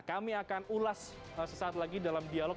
kami akan ulas sesaat lagi dalam dialog